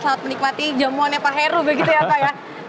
selamat menikmati jamuan ya pak heru begitu ya pak ya